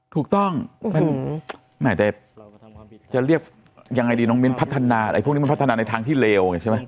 ถูกต้องแต่จะเรียกยังไงดีน้องมิ้นพัฒนาอะไรพวกนี้มันพัฒนาในทางที่เลวไงใช่ไหม